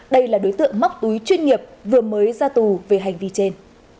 đây là đối tượng móc túi chuyên nghiệp vừa mới ra tù về hành vi trên